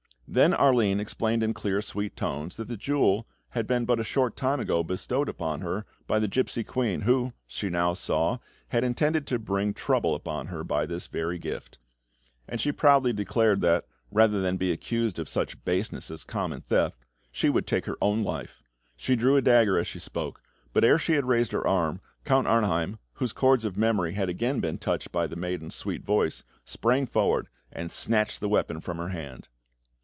Then Arline explained in clear, sweet tones that the jewel had been but a short time ago bestowed upon her by the gipsy queen, who, she now saw, had intended to bring trouble upon her by this very gift; and she proudly declared that, rather than be accused of such baseness as common theft, she would take her own life. She drew a dagger as she spoke, but ere she had raised her arm, Count Arnheim, whose chords of memory had again been touched by the maiden's sweet voice, sprang forward and snatched the weapon from her hand.